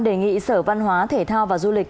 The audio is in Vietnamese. đề nghị sở văn hóa thể thao và du lịch